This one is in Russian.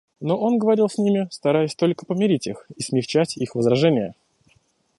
Но он говорил с ними, стараясь только помирить их и смягчать их возражения.